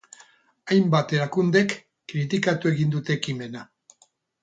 Hainbat erakundek kritikatu egin dute ekimena.